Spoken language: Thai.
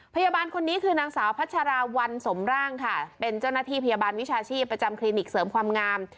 พยาบาลคนนี้คือนางสาวพัชราวันสมร่างค่ะเป็นเจ้าหน้าที่พยาบาลวิชาชีพประจำคลินิกเสริมความงาม